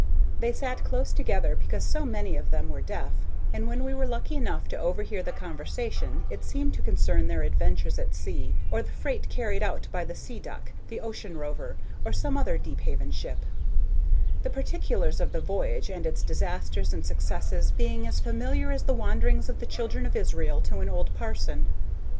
They sat close together because so many of them were deaf, and when we were lucky enough to overhear the conversation, it seemed to concern their adventures at sea, or the freight carried out by the Sea Duck, the Ocean Rover, or some other Deephaven ship, the particulars of the voyage and its disasters and successes being as familiar as the wanderings of the children of Israel to an old parson.